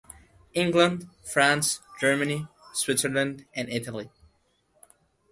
England, France, Germany, Switzerland and Italy.